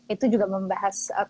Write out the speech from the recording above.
itu juga membahas teknologi terbaru